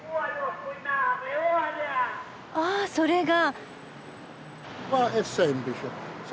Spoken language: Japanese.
あそれが。